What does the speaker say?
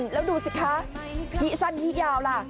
แล้วดูสิคะฮีสั้นฮิยาวล่ะ